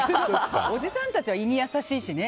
おじさんたちは胃に優しいしね。